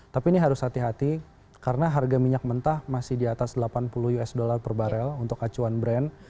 tapi ini harus hati hati karena harga minyak mentah masih di atas delapan puluh usd per barel untuk acuan brand